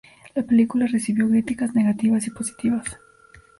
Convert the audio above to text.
La película recibió críticas negativas y positivas.